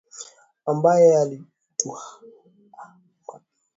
ambaye alitamani kuimiliki biashara ya dhahabu na meno ya tembo